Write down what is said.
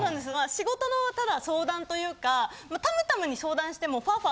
仕事のただ相談というかたむたむに相談しても。